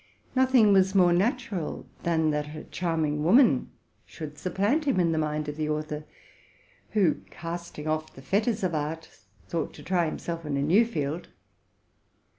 nothing was more natural than that a charming woman should sup plant him in the mind of the author, who, casting off the fetters of art, thought to try himself in a new field.